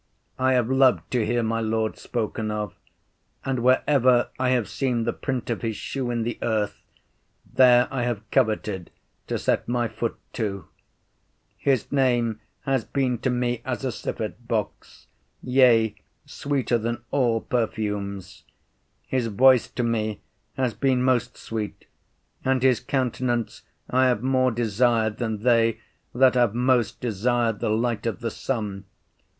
I have loved to hear my Lord spoken of, and wherever I have seen the print of his shoe in the earth, there I have coveted to set my foot too. His name has been to me as a civet box, yea, sweeter than all perfumes. His voice to me has been most sweet, and his countenance I have more desired than they that have most desired the light of the sun.